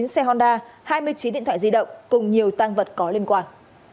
một mươi chín xe honda hai mươi chín điện thoại di động cùng nhiều tăng vật có liên quan